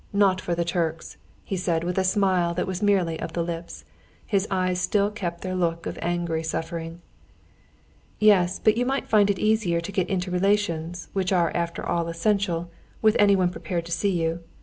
Nor for the Turks...." he said, with a smile that was merely of the lips. His eyes still kept their look of angry suffering. "Yes; but you might find it easier to get into relations, which are after all essential, with anyone prepared to see you.